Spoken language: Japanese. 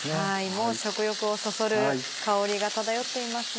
もう食欲をそそる香りが漂っていますね。